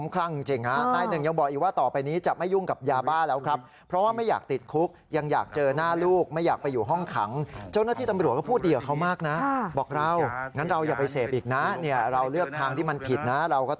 ครับตามเขาครับนะฮะคุณผู้ชมไปฟังเขานะฮะ